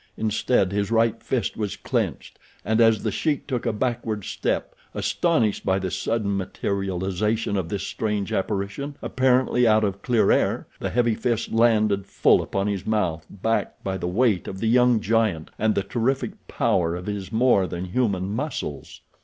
Instead his right fist was clenched and as The Sheik took a backward step, astonished by the sudden materialization of this strange apparition apparently out of clear air, the heavy fist landed full upon his mouth backed by the weight of the young giant and the terrific power of his more than human muscles.